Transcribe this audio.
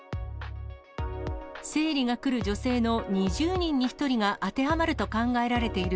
生理が来る女性の２０人に１人が当てはまると考えられている